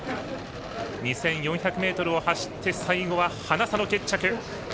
２４００ｍを走って最後はハナ差の決着。